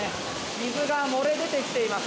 水が漏れ出てきています。